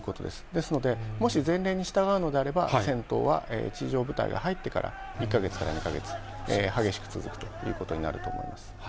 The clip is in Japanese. ですので、もし前例に従うのであれば、戦闘は地上部隊が入ってから１か月から２か月激しく続くということになると思います。